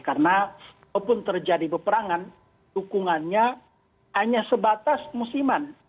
karena walaupun terjadi peperangan dukungannya hanya sebatas musliman